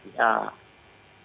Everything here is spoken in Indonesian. kemudian bicaranya soal politik